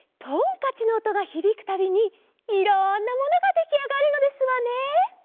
とんかちのおとがひびくたびにいろんなものができあがるのですわね。